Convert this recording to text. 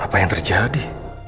apa yang terjadi